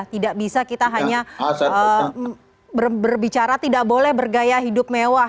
tidak bisa kita hanya berbicara tidak boleh bergaya hidup mewah